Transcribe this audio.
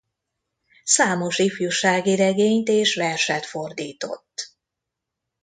Számos ifjúsági regényt és verset fordított.